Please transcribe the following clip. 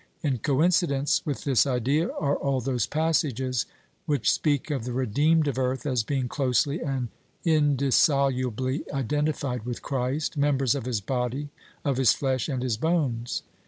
In coincidence with this idea are all those passages which speak of the redeemed of earth as being closely and indissolubly identified with Christ, members of his body, of his flesh and his bones.